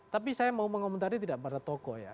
tapi saya mau mengomentari tidak pada tokoh ya